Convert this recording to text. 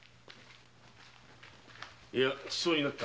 いやちそうになった。